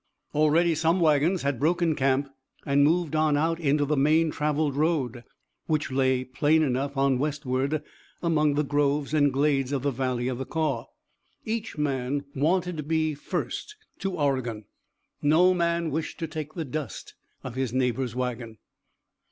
Already some wagons had broken camp and moved on out into the main traveled road, which lay plain enough on westward, among the groves and glades of the valley of the Kaw. Each man wanted to be first to Oregon, no man wished to take the dust of his neighbor's wagon.